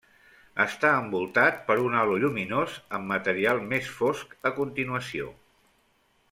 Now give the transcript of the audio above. Està envoltat per un halo lluminós, amb material més fosc a continuació.